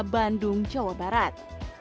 bandung jawa barat